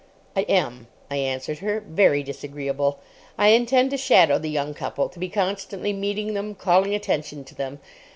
"I am," I answered her. "Very disagreeable. I intend to shadow the young couple, to be constantly meeting them, calling attention to them.